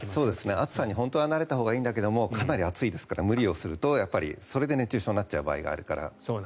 暑さに本当は慣れたほうがいいですけどかなり暑いですから無理をするとそれで熱中症になる場合があるから。